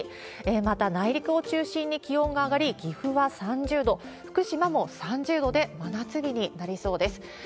また、内陸を中心に気温が上がり、岐阜は３０度、福島も３０度で真夏日になりそうです。